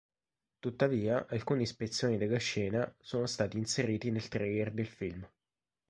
Tuttavia, alcuni spezzoni della scena sono stati inseriti nel trailer del film.